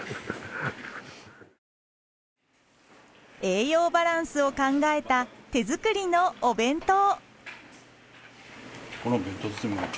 栄養バランスを考えた手作りのお弁当。